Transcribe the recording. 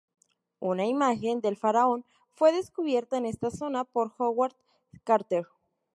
Una imagen del faraón fue descubierta en esta zona por Howard Carter.